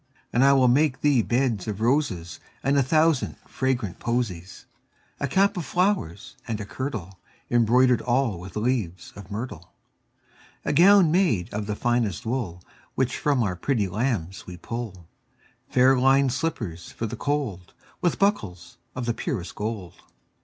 And I will make thee beds of roses And a thousand fragrant posies; 10 A cap of flowers, and a kirtle Embroider'd all with leaves of myrtle. A gown made of the finest wool Which from our pretty lambs we pull; Fair linèd slippers for the cold, 15 With buckles of the purest gold.